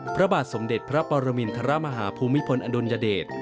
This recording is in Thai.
พระบาทสมเด็จพระปรมินทรมาฮาภูมิพลอดุลยเดช